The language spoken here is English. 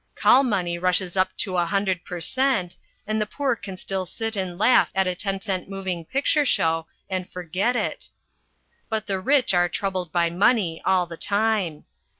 Call money rushes up to a hundred per cent, and the poor can still sit and laugh at a ten cent moving picture show and forget it. But the rich are troubled by money all the time.